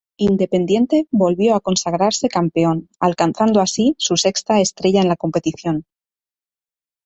Independiente volvió a consagrarse campeón, alcanzando así su sexta estrella en la competición.